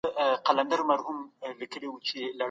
تاسي څونه پيسې په کڅوڼي کي لرئ؟